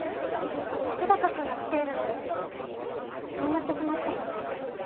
日高君が来ているのに眠ってしまって。